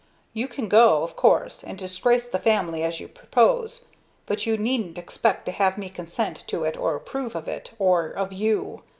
You can go, of course, and disgrace the family as you propose but you needn't expect to have me consent to it or approve of it or of you.